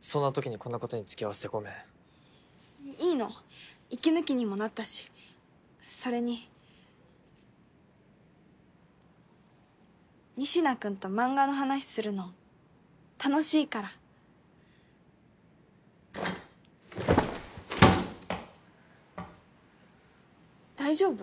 そんなときにこんなことにつきあわせてごめんいいの息抜きにもなったしそれに仁科君と漫画の話するの楽しいから大丈夫？